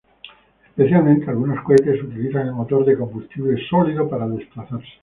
Especialmente algunos cohetes utilizan el motor de combustible sólido para desplazarse.